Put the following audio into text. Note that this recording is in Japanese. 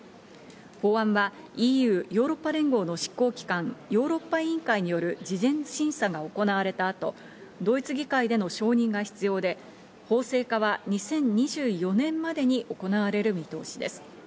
法案はＥＵ＝ヨーロッパ連合の執行機関、ヨーロッパ委員会による事前審査が行われた後、ドイツ議会での承認が必要で、法制化は２０２４年までに行われる見通しです。